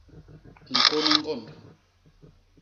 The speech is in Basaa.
Ñkônô ñgond.